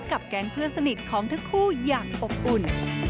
แก๊งเพื่อนสนิทของทั้งคู่อย่างอบอุ่น